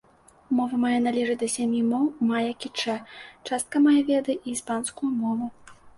Мова мая належыць да сям'і моў мая-кічэ, частка мая ведае і іспанскую мову.